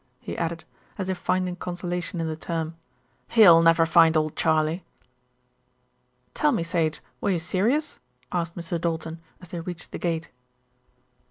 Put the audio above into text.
he added, as if finding consolation in the term. "He'll never find old Charley." "Tell me, Sage, were you serious?" asked Mr. Doulton, as they reached the gate.